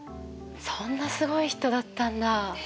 そんなすごい人だったんだ。